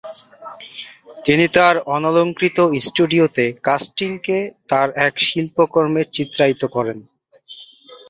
তিনি তার অনলঙ্কৃত স্টুডিওতে কার্স্টিংকে তার এক শিল্পকর্মে চিত্রায়িত করেন।